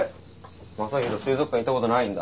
将大水族館行ったことないんだ。